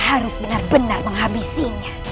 aku akan menghafalmu